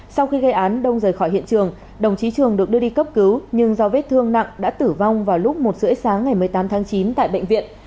sau khi gây án đông rời khỏi hiện trường đồng chí trường được đưa đi cấp cứu nhưng do vết thương nặng đã tử vong vào lúc một h ba mươi sáng ngày một mươi tám tháng chín tại bệnh viện